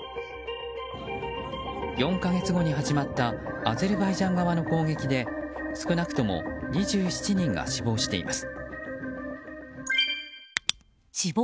４か月後に始まったアゼルバイジャン側の攻撃で少なくとも２７人が死亡しています。